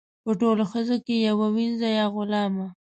په ټولو ښځو کې یوه وینځه یا غلامه.